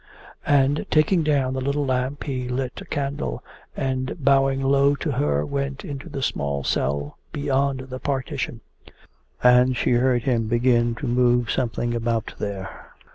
And taking down the little lamp, he lit a candle, and bowing low to her went into the small cell beyond the partition, and she heard him begin to move something about there.